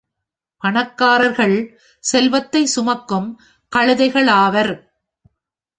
பணக்காரர்கள் செல்வத்தைச் சுமக்கும் கழுதைகளாவர்.